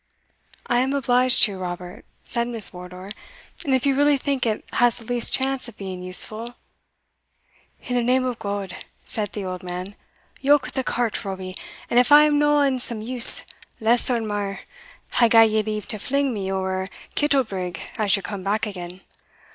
"I am obliged to you, Robert," said Miss Wardour; "and if you really think it has the least chance of being useful" "In the name of God," said the old man, "yoke the cart, Robie, and if I am no o' some use, less or mair, I'll gie ye leave to fling me ower Kittlebrig as ye come back again.